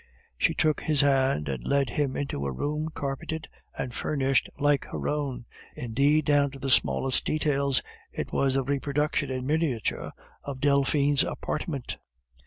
She took his hand and led him into a room carpeted and furnished like her own; indeed, down to the smallest details, it was a reproduction in miniature of Delphine's apartment.